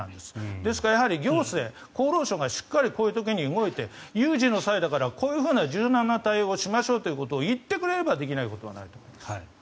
ですから、行政、厚労省がしっかりこういう時に動いて有事の際だからこういう柔軟な対応をしますと言ってくれればできないことはないと思います。